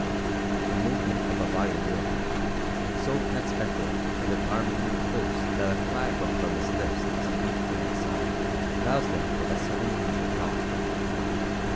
The movement of a body near him, so unexpected and alarmingly close that a cry broke from his lips as he leaped to one side, roused him with a sudden mental shock.